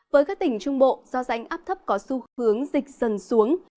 với các tỉnh trung bộ do rãnh áp thấp có xu hướng dịch dần xuống